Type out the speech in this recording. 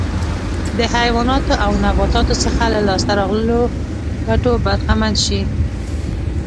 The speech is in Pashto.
د حیواناتو او نباتاتو څخه له لاسته راغلو ګټو برخمن شي.